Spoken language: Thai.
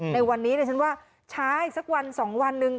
ในวันนี้ดิฉันว่าช้าอีกสักวันสองวันหนึ่ง